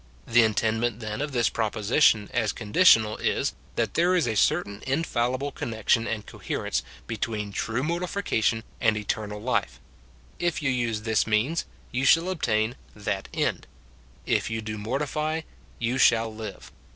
The intend ment, then, of this proposition as conditional is, that there is a certain infallible connection and coherence 148 MORTIFICATION OF between true mortification and eternal life : if you use this means, you shall obtain that end ; if you do mortify, you shall live.